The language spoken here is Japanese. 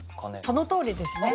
そのとおりですね。